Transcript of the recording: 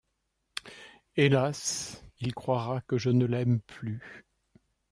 Hélas! il croira que je ne l’aime plus.